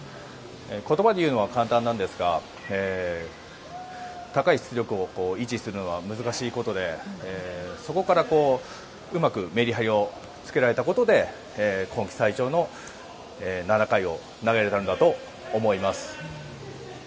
言葉で言うのは簡単なんですが高い出力を維持するのは難しいことでそこから、うまくメリハリをつけられたことで今季最長の７回を投げられたんだと思います。